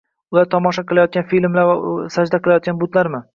Ular tomosha qilayotgan filmlar yoki sajda qiladigan butlarmi?